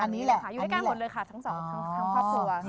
อันนี้เลยค่ะอยู่ด้วยกันหมดเลยค่ะทั้งสองครอบครัว